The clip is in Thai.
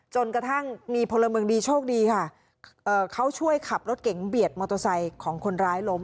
จนกระทั่งมีพลเมืองดีโชคดีค่ะเขาช่วยขับรถเก๋งเบียดมอเตอร์ไซค์ของคนร้ายล้ม